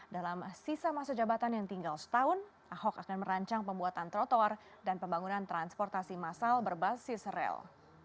dalam sisa masa jabatan yang tinggal setahun ahok akan merancang pembuatan trotoar dan pembangunan transportasi massal berbasis rel